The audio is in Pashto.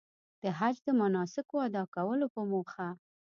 د حج د مناسکو ادا کولو په موخه.